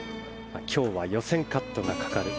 今日は予選カットがかかる。